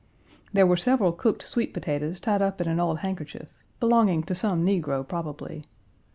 There were several cooked sweet potatoes tied up in an old handkerchief belonging to some negro probably.